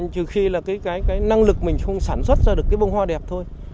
trừ khi là cái năng lực mình không sản xuất ra được cái bông hoa đẹp thôi